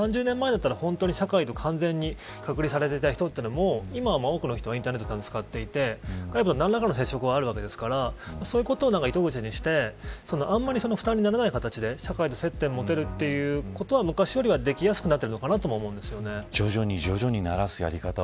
ひきこもりは３０年前なら完全に社会と隔離されていた人でも今は、多くの人がインターネットを使っていて、何らかの接触があるわけですからそういうことを糸口にしてあまり負担にならない形で社会と接点を持つことは昔よりはできやすくなっていると思います。